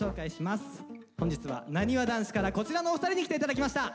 本日はなにわ男子からこちらのお二人に来て頂きました。